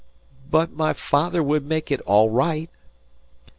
"But my father would make it all right."